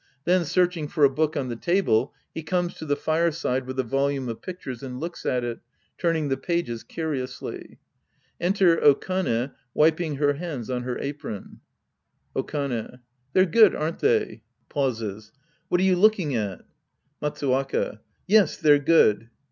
Then searching for a book 071 the table, he comes to the fireside with a volume of pictures and looks at it, turning the pages curiously. Enter Okane, wiping her hands on her apron.) Okane. They're good, aren't they? {Pauses.) What are you looking at ? Matsuwaka. Yes, they're good.